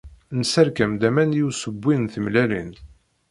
Nesserkam-d aman i usewwi n tmellalin.